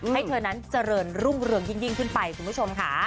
ให้เธอนั้นเจริญรุ่งเรืองยิ่งขึ้นไปคุณผู้ชมค่ะ